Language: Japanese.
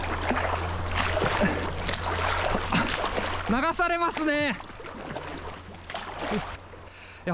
流されますね。